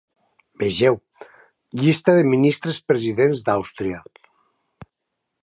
Vegeu: Llista de Ministres-Presidents d'Àustria.